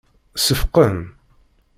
Seffqen.